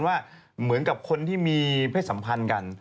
ว่าเหมือนกับคนที่มีเพศสัมพันธ์กัน